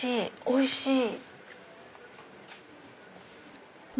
おいしい！